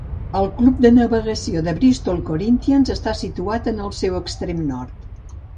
El club de navegació de Bristol Corinthians està situat en el seu extrem nord.